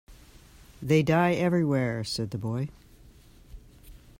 "They die everywhere," said the boy.